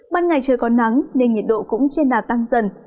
ban ngày trời có nắng nên nhiệt độ cũng trên đà tăng dần